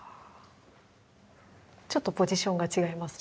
ちょっとポジションが違いますよね。